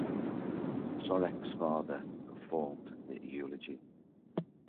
Sorek’s father performed the eulogy.